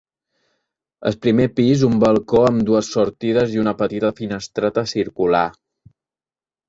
El primer pis un balcó amb dues sortides i una petita finestreta circular.